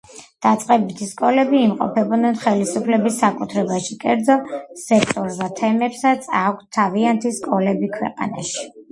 დაწყებითი სკოლები იმყოფებიან ხელისუფლების საკუთრებაში, კერძო სექტორს და თემებსაც აქვთ თავიანთი სკოლები ქვეყანაში.